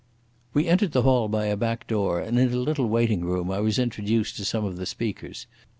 We entered the hall by a back door, and in a little waiting room I was introduced to some of the speakers.